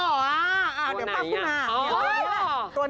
แล้วก็แคปทันต์ก็บอกไว้ว่า